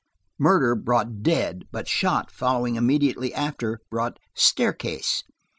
"Murder" brought "dead," but "shot," following immediately after, brought "staircase."